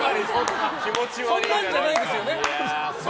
そんなんじゃないですよ。